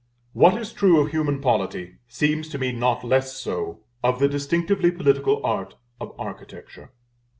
What is true of human polity seems to me not less so of the distinctively political art of Architecture.